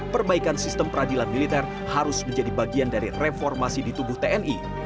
perbaikan sistem peradilan militer harus menjadi bagian dari reformasi di tubuh tni